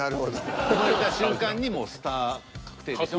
生まれた瞬間にスター確定でしょ。